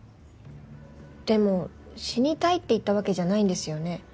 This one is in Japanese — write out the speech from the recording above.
でも死にたいって言ったわけじゃないんですよね？